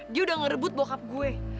dia udah ngerebut bockup gue